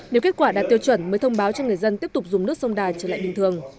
nếu kết quả đạt tiêu chuẩn mới thông báo cho người dân tiếp tục dùng nước sông đà trở lại bình thường